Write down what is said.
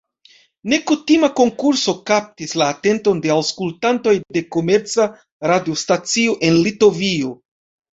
Nekutima konkurso kaptis la atenton de aŭskultantoj de komerca radiostacio en Litovio.